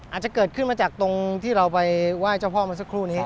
อาจจะเกิดขึ้นมาจากตรงที่เราไปไหว้เจ้าพ่อมาสักครู่นี้